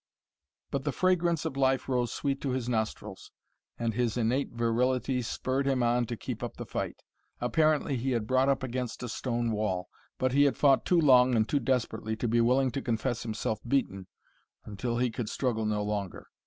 But the fragrance of life rose sweet to his nostrils, and his innate virility spurred him on to keep up the fight. Apparently he had brought up against a stone wall, but he had fought too long and too desperately to be willing to confess himself beaten until he could struggle no longer.